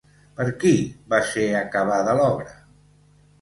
Per qui va ser acabada l'obra?